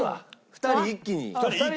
２人一気に！？